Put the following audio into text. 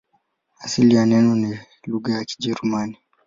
Asili ya neno ni lugha ya Kijerumani.